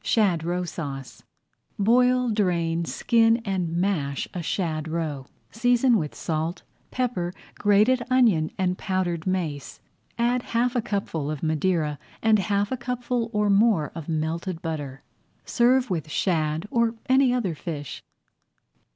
SHAD ROE SAUCE Boil, drain, skin, and mash a shad roe. Season with salt, pepper, grated onion, and powdered mace. Add half a cupful of Madeira and half a cupful or more of melted butter. Serve with shad or any other fish.